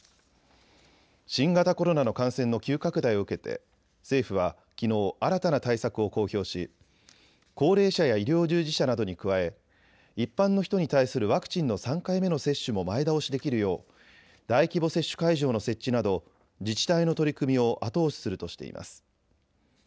新型コロナの感染の急拡大を受けて政府はきのう新たな対策を公表し高齢者や医療従事者などに加え一般の人に対するワクチンの３回目の接種も前倒しできるよう大規模接種会場の設置など自治体の取り組みを後押しするとしています。